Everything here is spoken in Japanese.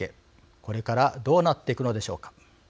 これからどうなっていくのでしょうか。